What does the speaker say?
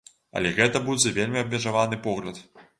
Але гэта будзе вельмі абмежаваны погляд.